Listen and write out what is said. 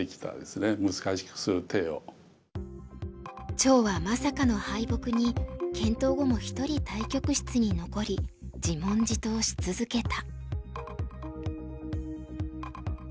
趙はまさかの敗北に検討後も１人対局室に残り自問自答し続けた。